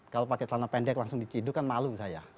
kalau pakai tanah pendek langsung dicidu kan malu saya